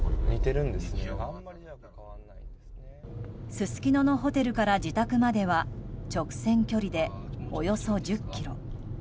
すすきののホテルから自宅までは直線距離で、およそ１０ｋｍ。